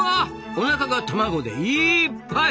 おなかが卵でいっぱい！